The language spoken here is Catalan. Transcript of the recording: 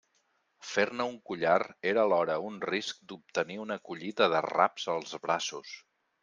Fer-ne un collar era alhora un risc d'obtenir una collita d'arraps als braços.